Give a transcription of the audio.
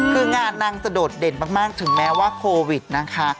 คืองานนางจะโดดเด่นมากถึงแม้ว่าโควิดนะคะ